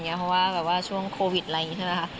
เพราะว่าแบบว่าช่วงโควิดไรบ้างใช่ไหมคะ